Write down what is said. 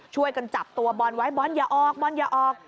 ช่วยกันจับตัวบอลไว้บอลอย่าออกบอลอย่าออก